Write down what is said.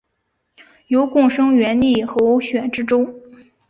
由贡生援例候选知州。